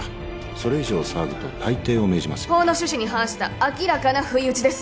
それ以上騒ぐと退廷を命じます法の趣旨に反した明らかな不意打ちです